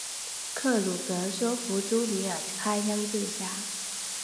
克鲁格说服朱尼尔开枪自杀。